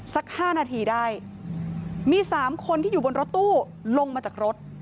สัก๕นาทีได้มี๓คนที่อยู่บนรถตู้ลงมาจากรถ